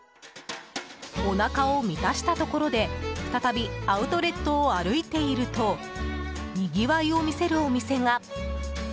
おなかを満たしたところで再びアウトレットを歩いているとにぎわいを見せるお店が。